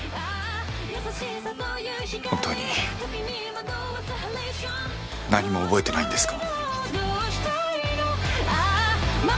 本当に何も覚えてないんですか？